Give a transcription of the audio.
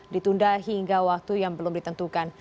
ditunda hingga waktu yang belum ditentukan